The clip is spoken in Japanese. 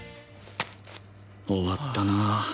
終わったな。